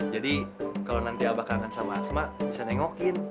jadi kalau nanti abah kangen sama asma bisa nengokin